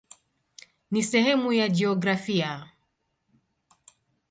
Ni sehemu ya jiografia.